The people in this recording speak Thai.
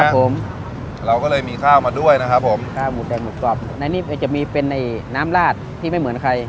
ครับผมเราก็เลยมีข้าวมาด้วยนะครับผมข้าวหมูแดงหมูกรอบในนี้จะมีเป็นไอ้น้ำลาดที่ไม่เหมือนใคร